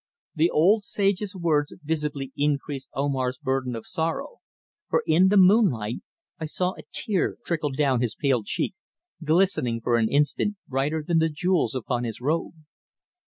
The old sage's words visibly increased Omar's burden of sorrow, for in the moonlight I saw a tear trickle down his pale cheek, glistening for an instant brighter than the jewels upon his robe.